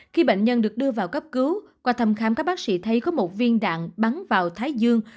khi bệnh nhân được đưa vào cấp cứu qua thăm khám các bác sĩ thấy có một viên đạn bắn vào thái dương